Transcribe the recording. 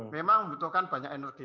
memang membutuhkan banyak energi